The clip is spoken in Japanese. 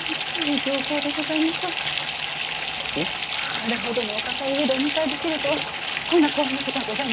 あれほどのお方を家でお迎えできるとはこんな光栄なことはございません。